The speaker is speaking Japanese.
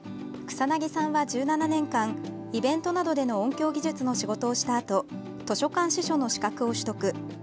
草薙さんは１７年間イベントなどでの音響技術の仕事をしたあと図書館司書の資格を取得。